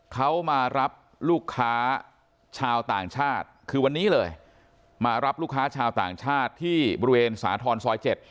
เขามารับลูกค้าชาวต่างชาติคือวันนี้เลยมารับลูกค้าชาวต่างชาติที่บริเวณสาธรณ์ซอย๗